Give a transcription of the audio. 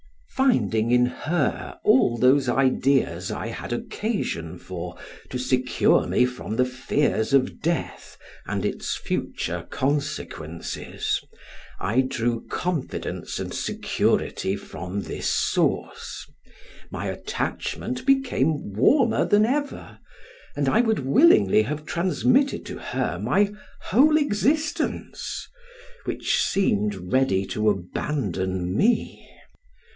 Finding in her all those ideas I had occasion for to secure me from the fears of death and its future consequences, I drew confidence and security from this source; my attachment became warmer than ever, and I would willingly have transmitted to her my whole existence, which seemed ready to abandon me.